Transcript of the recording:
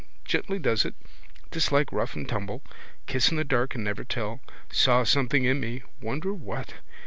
Gently does it. Dislike rough and tumble. Kiss in the dark and never tell. Saw something in me. Wonder what.